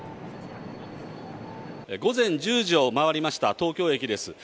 午前１０時を回りました、東京駅です。